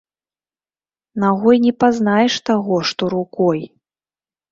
Нагой не пазнаеш таго, што рукой.